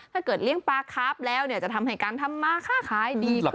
เลี้ยงปลาคาร์ฟแล้วเนี่ยจะทำให้การทำมาค่าขายดีขึ้น